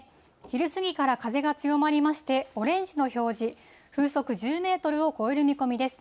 昼過ぎから風が強まりまして、オレンジの表示、風速１０メートルを超える見込みです。